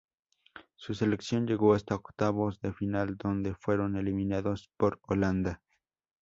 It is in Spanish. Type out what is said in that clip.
Su selección llegó hasta octavos de final, donde fueron eliminados por Holanda.